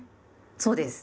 そうです。